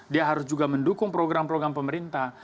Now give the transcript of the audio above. dia harus juga mendukung program program pemerintah